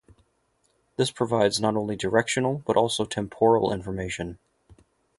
This provides not only directional but also temporal information.